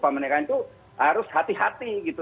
pemerintah itu harus hati hati gitu